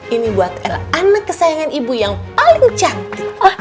ini buat anak kesayangan ibu yang paling cantik